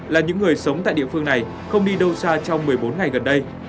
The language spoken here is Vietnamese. là những người sống tại địa phương này không đi đâu xa trong một mươi bốn ngày gần đây